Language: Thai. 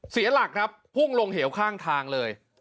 เสียหลักครับพุ่งลงเหวข้างทางเลย